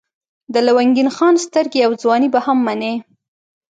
د لونګین خان سترګې او ځواني به هم منئ.